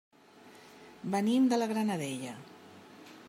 Venim de la Granadella.